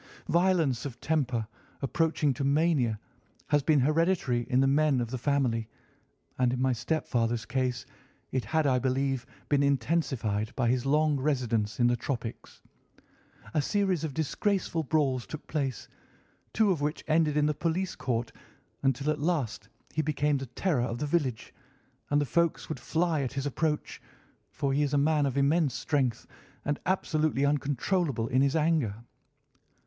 Violence of temper approaching to mania has been hereditary in the men of the family, and in my stepfather's case it had, I believe, been intensified by his long residence in the tropics. A series of disgraceful brawls took place, two of which ended in the police court, until at last he became the terror of the village, and the folks would fly at his approach, for he is a man of immense strength, and absolutely uncontrollable in his anger.